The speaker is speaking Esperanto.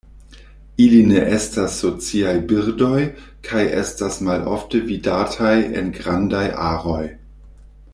Ili ne estas sociaj birdoj kaj estas malofte vidataj en grandaj aroj.